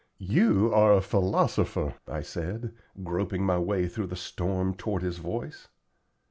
"You are a philosopher," I said, groping my way through the storm toward his voice.